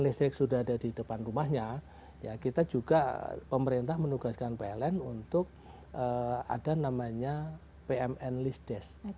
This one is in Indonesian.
listrik sudah ada di depan rumahnya ya kita juga pemerintah menugaskan pln untuk ada namanya pmn list desk